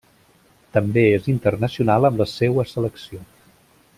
També és internacional amb la seua selecció.